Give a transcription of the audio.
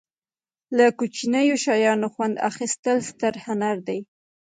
له کوچنیو شیانو خوند اخستل ستر هنر دی.